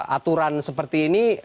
aturan seperti ini